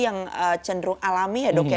yang cenderung alami ya dok ya